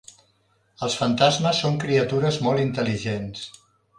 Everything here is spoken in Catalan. Els fantasmes són criatures molt intel·ligents.